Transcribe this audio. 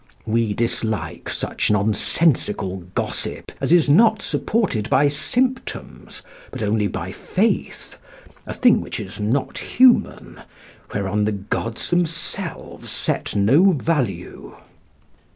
We dislike such nonsensical gossip as is not supported by symptoms, but only by faith a thing which is not human, whereon the gods themselves set no value."